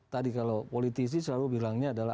tadi kalau politisi selalu bilangnya adalah